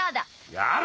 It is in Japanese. やれ！